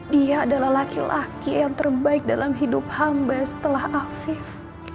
dia adalah laki laki yang terbaik dalam hidup hamba setelah afif